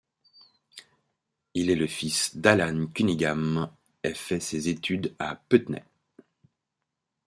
Il est le fils d'Allan Cunningham et fait ses études à Putney.